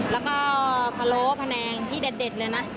แล้วก็พะโล้พะแนงที่เด็ดเลยนะ